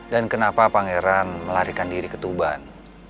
dan kenapa pangeran melarikan diri ketuban